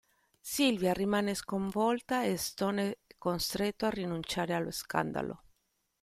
Sylvia rimane sconvolta e Stone è costretto a rinunciare allo scandalo.